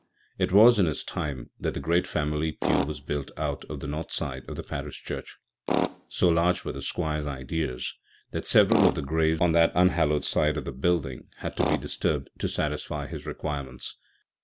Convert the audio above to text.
It was in his time that the great family pew was built out on the north side of the parish church. So large were the Squire's ideas that several of the graves on that unhallowed side of the building had to be disturbed to satisfy his requirements.